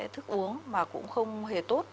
thức uống mà cũng không hề tốt